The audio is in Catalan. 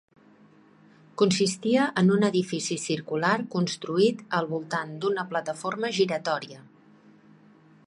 Consistia en un edifici circular construït al voltant d'una plataforma giratòria.